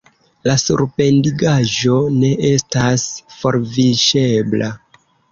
La surbendigaĵo ne estas forviŝebla.